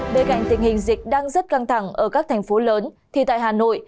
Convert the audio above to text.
bên cạnh tình hình dịch đang rất căng thẳng ở các thành phố lớn thì tại hà nội